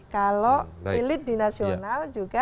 kalau elit di nasional juga